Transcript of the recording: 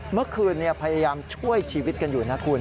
เมื่อคืนพยายามช่วยชีวิตกันอยู่นะคุณ